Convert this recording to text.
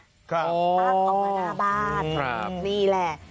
ครับอ๋อครับนี่แหละตั้งออกข้างหน้าบ้าน